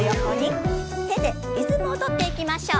手でリズムを取っていきましょう。